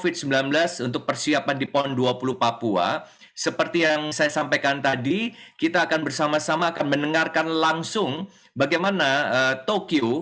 general pak marsiano